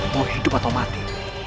mau hidup atau mati